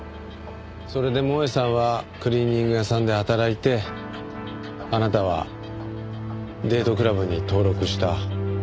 それで萌絵さんはクリーニング屋さんで働いてあなたはデートクラブに登録した。